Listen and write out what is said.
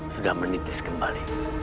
sudah menitis kembali